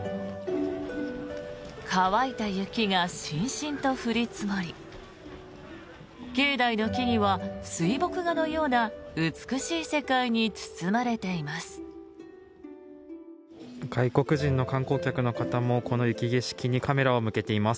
乾いた雪がしんしんと降り積もり境内の木々は水墨画のような美しい世界に包まれています。